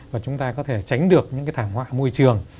và chúng ta có thể tránh được những cái thảm họa môi trường